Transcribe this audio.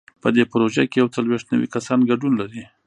په دې پروژه کې یو څلوېښت نوي کسان ګډون لري.